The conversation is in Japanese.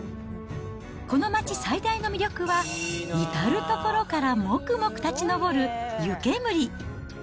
この町最大の魅力は、至る所からもくもく立ち上る湯煙。